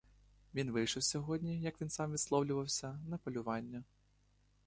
Він вийшов сьогодні, як він сам висловлювався, на полювання.